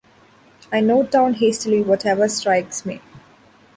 I note down hastily whatever strikes me.